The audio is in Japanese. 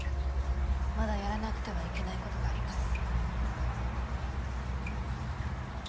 まだやらなくてはいけないことがあります。